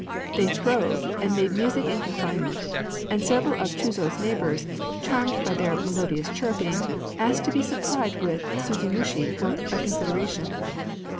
They throve and made music in confinement; and several of Chūzō's neighbors, charmed by their melodious chirruping, asked to be supplied with suzumushi for a consideration.